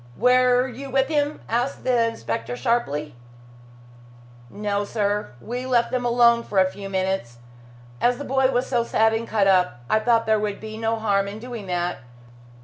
"Were you with him?" asked the inspector sharply. "No, sir. We left them alone for a few minutes. As the boy was so sad and cut up, I thought there would be no harm in doing that.